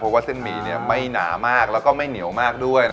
เพราะว่าเส้นหมี่ไม่หนามากแล้วก็ไม่เหนียวมากด้วย